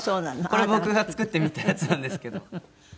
これ僕が作ってみたやつなんですけど。